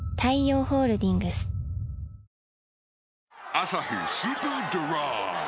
「アサヒスーパードライ」